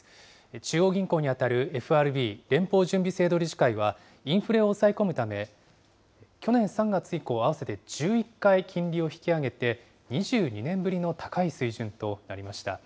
中央銀行に当たるＦＲＢ・連邦準備制度理事会は、インフレを抑え込むため、去年３月以降、合わせて１１回金利を引き上げて、２２年ぶりの高い水準となりました。